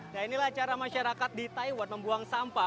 nah inilah cara masyarakat di taiwan membuang sampah